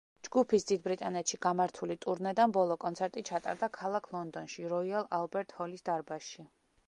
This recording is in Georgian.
ჯგუფის დიდ ბრიტანეთში გამართული ტურნედან ბოლო კონცერტი ჩატარდა ქალაქ ლონდონში, როიალ ალბერტ ჰოლის დარბაზში.